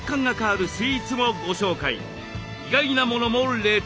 意外なものも冷凍。